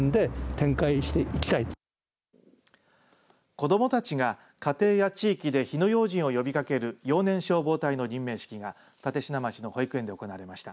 子どもたちが家庭や地域で火の用心を呼びかける幼年消防隊の任命式が立科町の保育園で行われました。